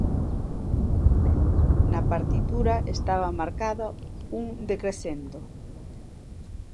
Na partitura estaba marcado un decrescendo.